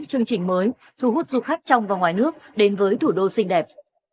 chương trình mới thu hút du khách trong và ngoài nước đến với thủ đô xinh đẹp